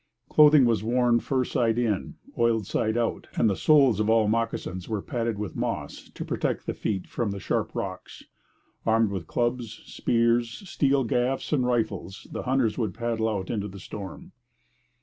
Clothing was worn fur side in, oiled side out; and the soles of all moccasins were padded with moss to protect the feet from the sharp rocks. Armed with clubs, spears, steel gaffs and rifles, the hunters would paddle out into the storm.